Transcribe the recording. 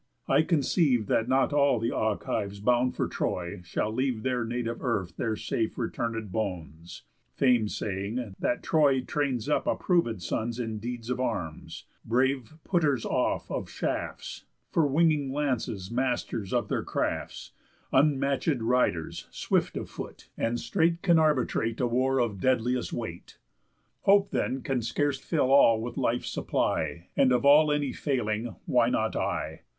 I conceive That not all th' Achives bound for Troy shall leave Their native earth their safe returnéd bones, Fame saying, that Troy trains up approvéd sons In deeds of arms, brave putters off of shafts, For winging lances masters of their crafts, Unmatchéd riders, swift of foot, and straight Can arbitrate a war of deadliest weight. Hope then can scarce fill all with life's supply, And of all any failing, why not I?